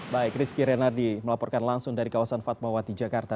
baik rizky renardi melaporkan langsung dari kawasan fatmawati jakarta